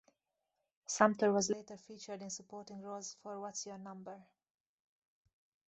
Sumpter was later featured in supporting roles for What's Your Number?